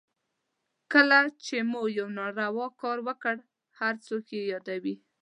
کله چې مو یو ناوړه کار وکړ هر څوک یې یادوي.